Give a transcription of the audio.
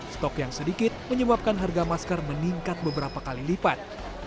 stok yang sedikit menyebabkan harga masker meningkat beberapa kali lipat